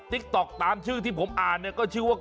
ติ๊กต๊อกตามชื่อที่ผมอ่านเนี่ยก็ชื่อว่า